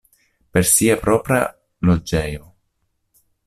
Per sia propra loĝejo.